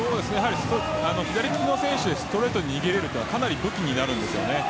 左利きの選手がストレートに逃げれるのはかなり武器になるんですね。